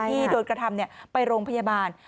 ที่โดนกระทำไปโรงพยาบาล